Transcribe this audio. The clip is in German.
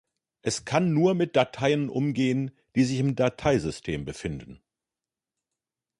Es kann nur mit Dateien umgehen, die sich im Dateisystem befinden.